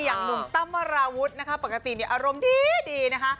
อย่างหนุ่มตั้มวราวุฒินะคะปกติเนี่ยอารมณ์ดีนะคะ